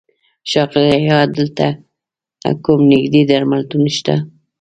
ښاغيله! ايا دلته کوم نيږدې درملتون شته؟